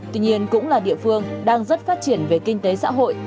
tuy nhiên cũng là địa phương đang rất phát triển về kinh tế xã hội